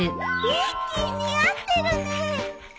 ビッキー似合ってるね。